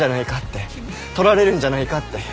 取られるんじゃないかって。